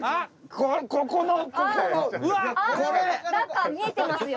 何か見えてますよ。